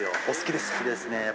お好きですか。